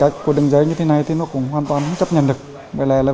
chúng ta không còn xa lạ